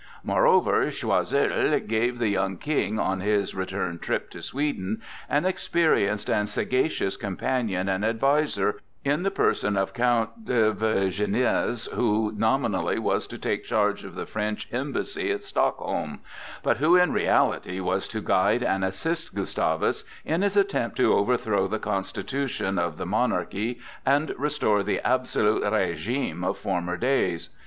Moreover, Choiseul gave the young King, on his return trip to Sweden, an experienced and sagacious companion and adviser in the person of Count de Vergennes, who nominally was to take charge of the French embassy at Stockholm, but who in reality was to guide and assist Gustavus in his attempt to overthrow the constitution of the monarchy and to restore the absolute régime of former days.